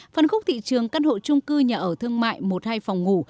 phần khúc thị trường căn hộ trung cư nhà ở thương mại một hay phòng ngủ